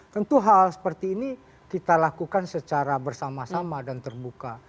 tentu hal seperti ini kita lakukan secara bersama sama dan terbuka